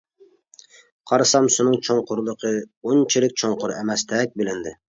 قارىسام، سۇنىڭ چوڭقۇرلۇقى ئۇنچىلىك چوڭقۇر ئەمەستەك بىلىندى.